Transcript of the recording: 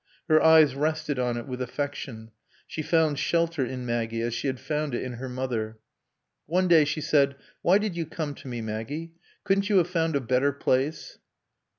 Her eyes rested on it with affection; she found shelter in Maggie as she had found it in her mother. One day she said, "Why did you come to me, Maggie? Couldn't you have found a better place?"